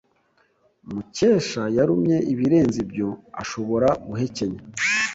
Mukesha yarumye ibirenze ibyo ashobora guhekenya.